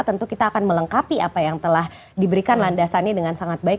tentu kita akan melengkapi apa yang telah diberikan landasannya dengan sangat baik